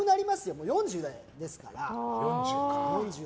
もう４０ですから。